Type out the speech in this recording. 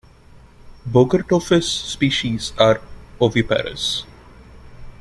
"Bogertophis" species are oviparous.